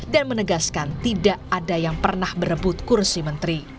dan menegaskan tidak ada yang pernah berebut kursi menteri